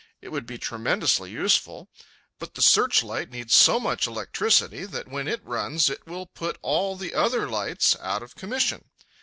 It would be tremendously useful. But the searchlight needs so much electricity that when it runs it will put all the other lights out of commission.